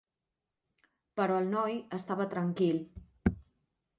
Però el noi estava tranquil.